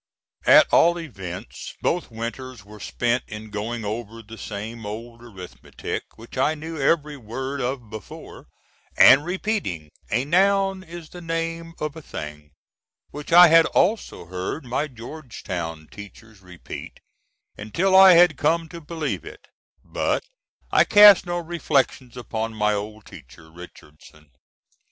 At all events both winters were spent in going over the same old arithmetic which I knew every word of before, and repeating: "A noun is the name of a thing," which I had also heard my Georgetown teachers repeat, until I had come to believe it but I cast no reflections upon my old teacher, Richardson.